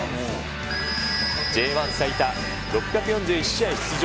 Ｊ１最多６４１試合出場。